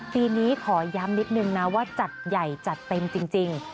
ปีนี้ขอย้ำนิดนึงนะว่าจัดใหญ่จัดเต็มจริง